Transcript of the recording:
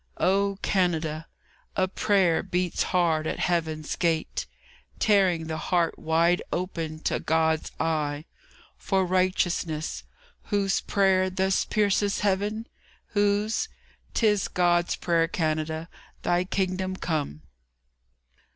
O Canada! A prayer beats hard at Heaven's gate, Tearing the heart wide open to God's eye, For righteousness. Whose prayer thus pierces Heaven? Whose? 'Tis God's prayer, Canada, Thy Kingdom come!